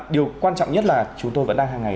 điều quan trọng nhất là chúng tôi vẫn đang hàng ngày